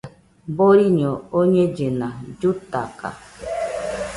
Boriño oñellena, llutaka